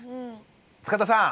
塚田さん。